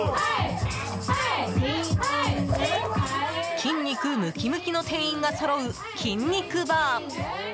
筋肉ムキムキの店員がそろう筋肉バー！